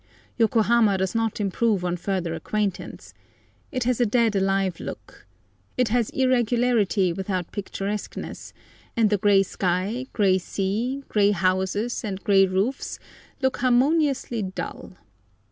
Yokohama does not improve on further acquaintance. It has a dead alive look. It has irregularity without picturesqueness, and the grey sky, grey sea, grey houses, and grey roofs, look harmoniously dull.